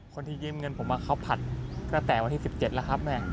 คนที่ยืมเงินผมเขาผัดตั้งแต่วันที่๑๗แล้วครับแม่